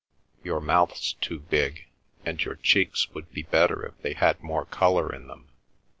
Your mouth's too big, and your cheeks would be better if they had more colour in them.